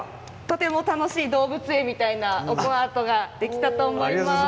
とても楽しい動物園みたいなオコアートができたと思います。